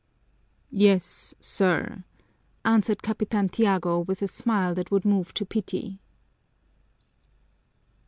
"Yes, sir," answered Capitan Tiago with a smile that would move to pity.